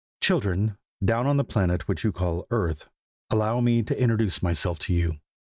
CHILDREN, down on the planet which you call Earth, allow me to introduce myself to you!